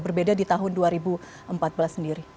berbeda di tahun dua ribu empat belas sendiri